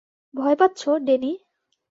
ভয় পাচ্ছ, ডেনি?